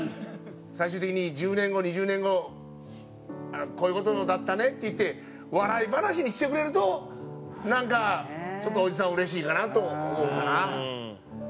最終的に１０年後２０年後こういう事だったねって言って笑い話にしてくれるとなんかちょっとおじさんうれしいかなと思うかな。